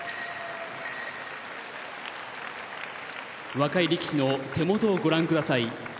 若い力士の手元をご覧下さい。